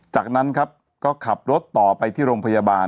จากนั้นครับก็ขับรถต่อไปที่โรงพยาบาล